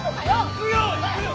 行くよ行くよ！